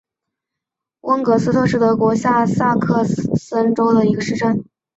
温格斯特是德国下萨克森州的一个市镇。